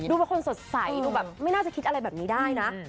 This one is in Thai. เป็นคนสดใสดูแบบไม่น่าจะคิดอะไรแบบนี้ได้นะ